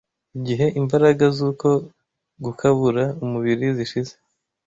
igihe imbaraga z’uko gukabura umubiri zishize.